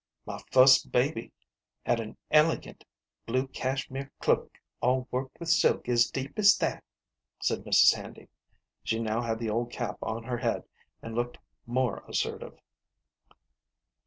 " My fust baby had an elegant blue cashmire cloak, all worked with silk as deep as that," said Mrs. Handy. She now had the old cap on her head, and looked more as sertive.